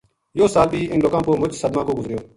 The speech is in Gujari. یوہ سال بھی اِنھ لوکاں پو مُچ صدما کو سال گُزریو